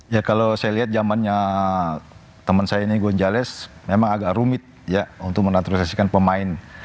ya kalau saya lihat zamannya teman saya ini gonjalez memang agak rumit ya untuk menatrusasikan pemain